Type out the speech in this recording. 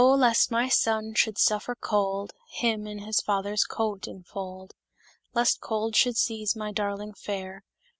lest my son should suffer cold, Him in his father's coat infold: Lest cold should seize my darling fair.